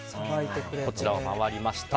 こちらを回りました。